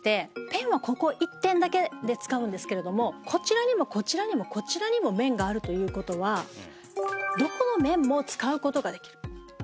ペンはここ一点だけで使うんですけれどもこちらもこちらもこちらも面があるということはどこの面も使うことができる。